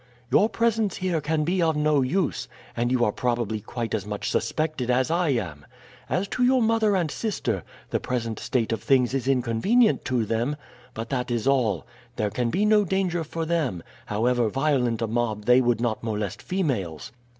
Your presence here can be of no use, and you are probably quite as much suspected as I am. As to your mother and sister, the present state of things is inconvenient to them, but that is all. There can be no danger for them; however violent a mob they would not molest females."